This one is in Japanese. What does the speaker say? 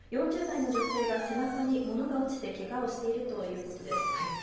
４０代の女性が背中に物が落ちてけがをしているということです。